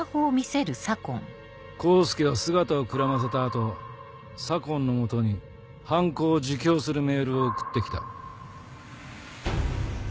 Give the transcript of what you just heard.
黄介は姿をくらませた後左紺の元に犯行を自供するメールを送って来た。